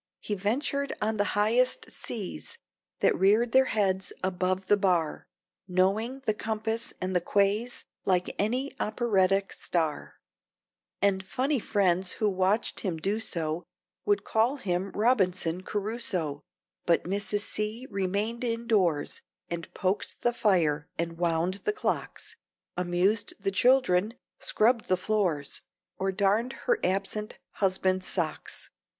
He ventured on the highest C's That reared their heads above the bar, Knowing the compass and the quays Like any operatic star; And funny friends who watched him do so Would call him "Robinson Caruso." But Mrs. C. remained indoors, And poked the fire and wound the clocks, Amused the children, scrubbed the floors, Or darned her absent husband's socks.